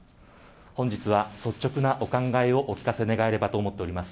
本日は率直なお考えをお聞かせ願えればと思っております。